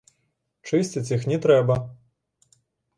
Чысціць іх не трэба.